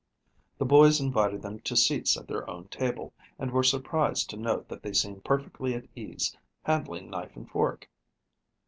The boys invited them to seats at their own table, and were surprised to note that they seemed perfectly at ease, handling knife and fork.